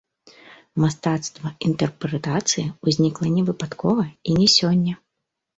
Мастацтва інтэрпрэтацыі ўзнікла не выпадкова і не сёння.